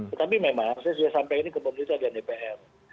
tetapi memang saya sudah sampai ke pemerintah dan dpr